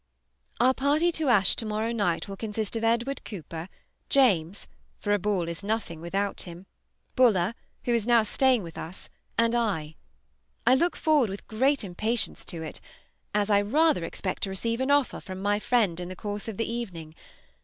Our party to Ashe to morrow night will consist of Edward Cooper, James (for a ball is nothing without him), Buller, who is now staying with us, and I. I look forward with great impatience to it, as I rather expect to receive an offer from my friend in the course of the evening.